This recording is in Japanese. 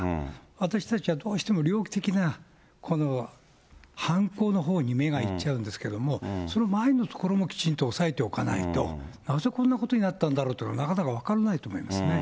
私たちはどうしても、猟奇的な、この犯行のほうに目がいっちゃうんですけれども、その前のところもきちんとおさえておかないと、なぜこんなことになったんだろうというのは、なかなか分からないと思いますね。